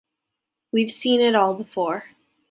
We've seen it all before.